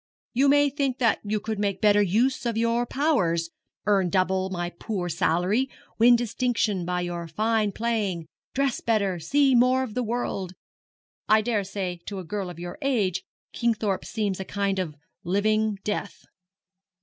You may think that you could make better use of your powers earn double my poor salary, win distinction by your fine playing, dress better, see more of the world. I daresay to a girl of your age Kingthorpe seems a kind of living death.'